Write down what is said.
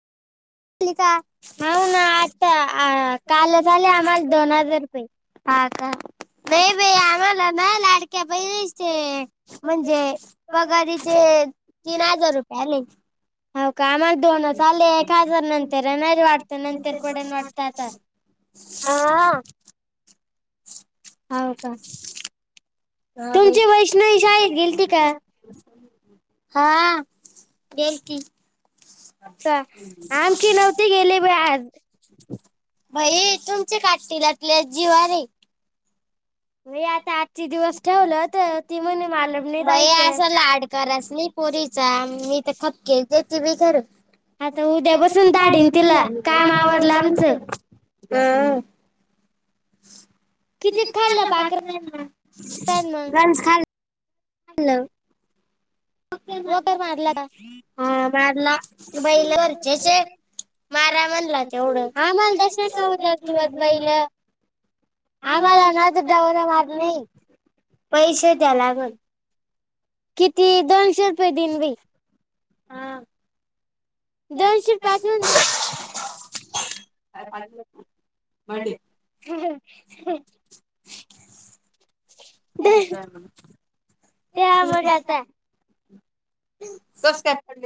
[inaudible] हो ना आता काल झाले आम्हाला दोन हजार रुपये. हाता नाही बा आम्हाला ना लाडक्या बहीण म्हणजे पघारीचे तीन हजार रुपये आले हो का आम्हाला दोनच चाले एक हजार नंतरज वाटतं नंतर पडेन वाटतं आता. हा हवं का? [unintelligible] तुमची वैष्णवी शाळेत गेलती का? हा गेलती. आमची नव्हती गेले ब आज भाई तुमचे काट्टलातल्या जीवाने मी आता आजची दिवस ठेवलं, त ती म्हणे मला बी नाय जायचं. करास नाय पोरीचा, मी तर [unintelligible] उद्या बसून गाडीव तिला, काम आवरलं नसल, आ किती खाल्लं पाखरांनं? [unintelligible] [unintelligible] हा मारला, बैलं घरचेच आहेत. मारा म्हणला तेवढं, [unintelligible] बैलं आम्हाला ना [unintelligible] नाही पैसे द्या ला किती? दोनशे रुपये दिन बय. हा दोनशे रुपय असून काय पाहिजे होत [unintelligible] [unintelligible] [unintelligible] कस काय?